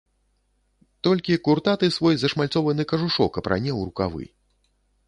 Толькі куртаты свой зашмальцованы кажушок апране ў рукавы.